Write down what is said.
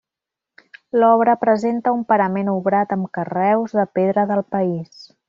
L'obra presenta un parament obrat amb carreus de pedra del país.